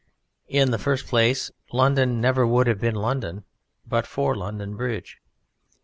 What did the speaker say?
In the first place London never would have been London but for London Bridge.